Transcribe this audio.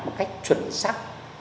một cách chuẩn xác